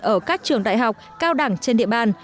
ở các trường đại học cao đẳng trên địa bàn